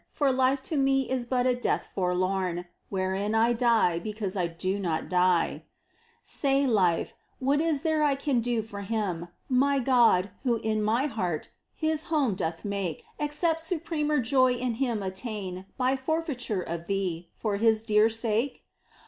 For life to me is but a death forlorn Wherein I die because I do not die ! Say, Life, what is there I can do for Him, My God, Who in my heart His home doth make. Except supremer joy in Him attain By forfeiture of thee for His dear sake